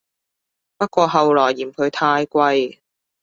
不過後來嫌佢太貴